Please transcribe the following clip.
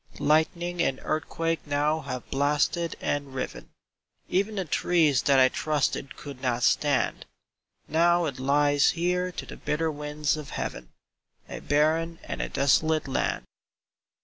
Lightning and earthquake now have blasted and riven ; Even the trees that I trusted could not stand: Now it lies here to the bitter winds of heaven, A barren and a desolated land.